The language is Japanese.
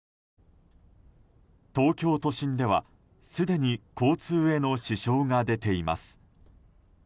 東京都心では、すでに交通への支障が出ています。